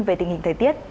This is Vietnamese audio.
về tình hình thời tiết